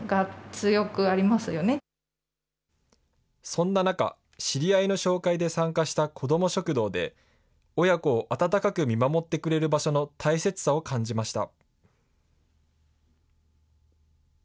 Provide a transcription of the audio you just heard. そんな中、知り合いの紹介で参加したこども食堂で、親子を温かく見守ってくれる場所の大切さを感じました。